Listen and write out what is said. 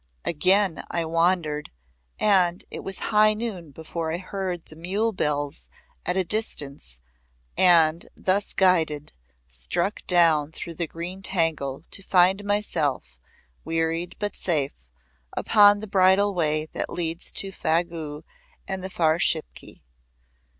Again I wandered, and it was high noon before I heard mule bells at a distance, and, thus guided, struck down through the green tangle to find myself, wearied but safe, upon the bridle way that leads to Fagu and the far Shipki.